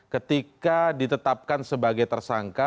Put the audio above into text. ketika ditetapkan sebagai tersangka